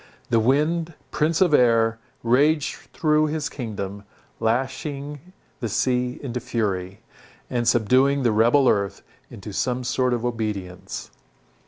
The wind, prince of air, raged through his kingdom, lashing the sea into fury, and subduing the rebel earth into some sort of obedience.